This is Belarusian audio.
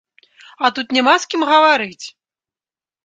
А тут няма з кім гаварыць!